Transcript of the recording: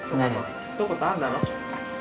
ひと言あんだろ？